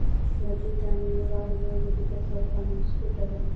ددې ودانۍ لوړوالی یو زر دوه سوه پنځوس فوټه دی.